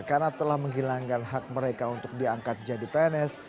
karena telah menghilangkan hak mereka untuk diangkat jadi pns